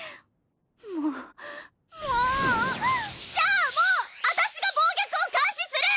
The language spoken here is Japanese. もうもうじゃあもう私が暴虐を監視する！